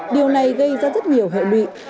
điều này gây ra rất nhiều hợp lụy